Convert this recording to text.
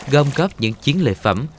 gom góp những chiến lợi phẩm